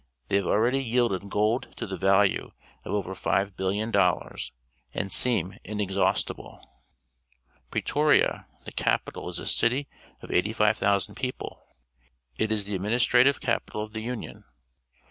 They have already yielded gold to the value of over five bilhon dollars, and seem inexhaustible. Pretoria, the f' ppitnl is a city of 85,000 people. It is the adniinistrative capital of the Union.